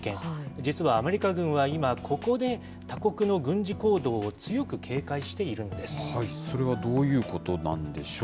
実はアメリカ軍は今ここで、他国の軍事行動を強く警戒しているんそれはどういうことなんでし